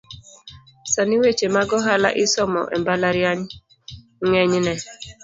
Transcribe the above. Sani weche mag ohala isomo embalariany ng’enyne